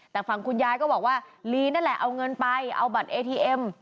แต่ฝั่งคุณยายก็บอกว่าลีนั่นแหละเอาเงินไปเอาบัตรเอทีเอ็ม